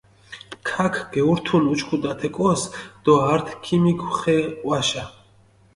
ქაქ გეურთუნ უჩქუდუ ათე კოს დო ართი ქიმიგუ ხე ჸვაშა.